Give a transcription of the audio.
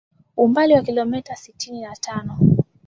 umbali wa Kilometa sitini na tano